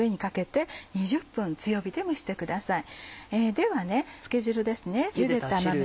ではつけ汁ですね。